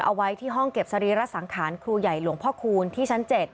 เอาไว้ที่ห้องเก็บสรีระสังขารครูใหญ่หลวงพ่อคูณที่ชั้น๗